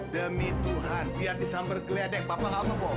demi tuhan biar disamber geledek papa gautuh bohong